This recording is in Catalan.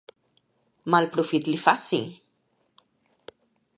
Mal profit li faci!